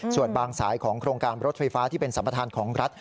ส่วนบางสายของโครงการรถไฟฟ้าที่เป็นสัมประธานของรัฐ